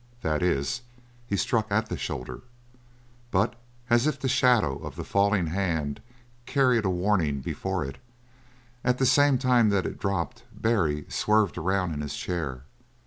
That is, he struck at the shoulder, but as if the shadow of the falling hand carried a warning before it, at the same time that it dropped Barry swerved around in his chair.